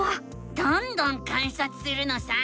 どんどん観察するのさ！